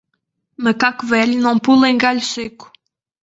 Macaco velho não pula em galho seco.